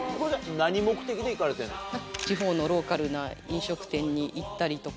何目的で行かれてんですか？